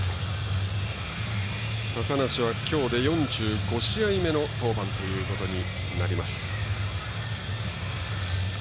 高梨はきょうで４５試合目の登板ということになります。